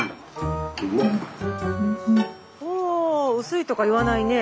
お薄いとか言わないね。